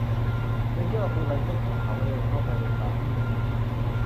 แรนเจอร์เอาปืนไรเฟิลของเขาและเดินเข้าไปในป่าเพื่อยิงหมี